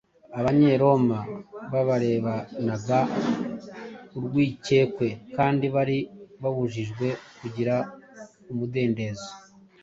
Abanyaroma babarebanaga urwikekwe kandi bari babujijwe kugira umudendezo.